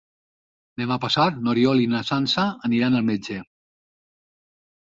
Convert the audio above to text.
Demà passat n'Oriol i na Sança aniran al metge.